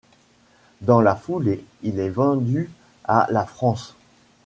Dans la foulée, il est vendu à la France.